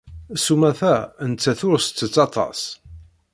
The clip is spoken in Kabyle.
S umata, nettat ur tettett aṭas.